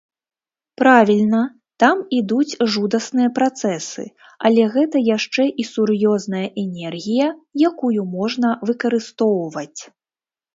Правільна, там ідуць жудасныя працэсы, але гэта яшчэ і сур'ёзная энергія, якую можна выкарыстоўваць.